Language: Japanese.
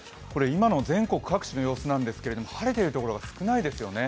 今の全国各地の様子なんですけど、晴れている所が少ないですよね。